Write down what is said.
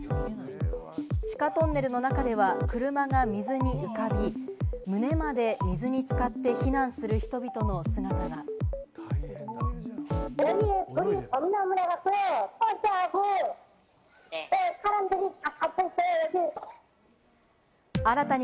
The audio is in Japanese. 地下トンネルの中では車が水に浮かび、胸まで水に浸かって避難すこれは先月、韓国で起きた地